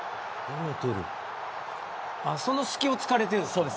その隙を突かれてるんですか。